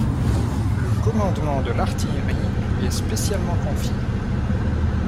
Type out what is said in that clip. Le commandement de l'artillerie lui est spécialement confié.